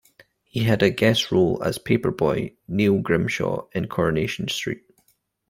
He had a guest role as paperboy Neil Grimshaw in "Coronation Street".